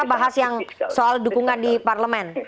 kita bahas yang soal dukungan di parlemen